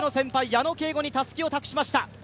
矢野圭吾にたすきを渡しました。